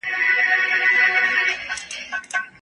نن سبا به ګورو عدالت د نړۍ څه وايي